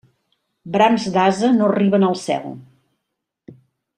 Brams d'ase no arriben al cel.